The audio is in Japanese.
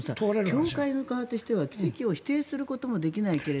教会の側としては奇跡を否定することもできないけど。